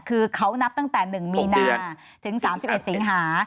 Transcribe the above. คือเขานับตั้งแต่๑มีนาถึง๓๑สิงหา